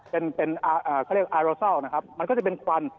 เขาเรียกอาโรซัลนะครับ